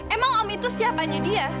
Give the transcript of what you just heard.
emang om itu siapanya dia